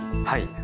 はい。